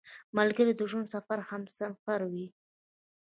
ملګری د ژوند سفر همسفر وي